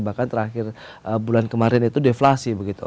bahkan terakhir bulan kemarin itu deflasi begitu